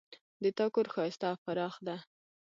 د تا کور ښایسته او پراخ ده